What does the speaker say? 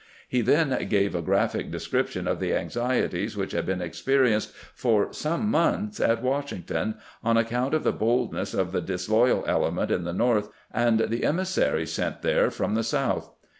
He then gave a graphic description of the anxieties which had been experienced for some months at Wash ington on account of the boldness of the disloyal ele ment in the North and the emissaries sent there from the South.